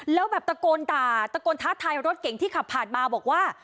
แล้วแบบตะโกนด่าตะโกนท้าทายรถเก่งที่ขับผ่านมาบอกว่า